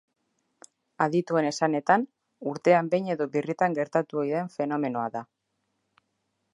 Adituen esanetan, urtean behin edo birritan gertatu ohi den fenomenoa da.